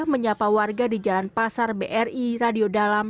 menyapa warga di jalan pasar bri radio dalam